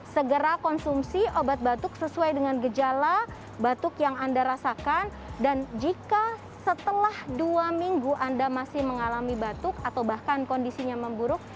segera konsumsi obat batuk sesuai dengan gejala batuk yang anda rasakan dan jika setelah dua minggu anda masih mengalami batuk atau bahkan kondisinya memburuk